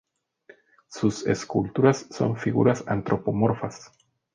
Sus esculturas son figuras antropomorfas.